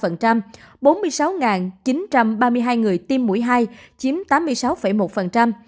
bốn mươi sáu chín trăm ba mươi hai người tiêm mũi hai chiếm tám mươi sáu một